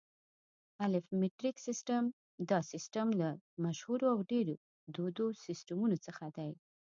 الف: مټریک سیسټم: دا سیسټم له مشهورو او ډېرو دودو سیسټمونو څخه دی.